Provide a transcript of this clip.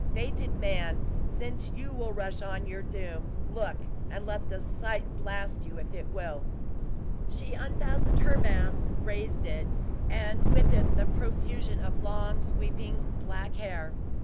Fated man, since you will rush on your doom, Look! and let the sight blast you, if it will!" She unfastened her mask, raised it, and with it the profusion of long, sweeping black hair.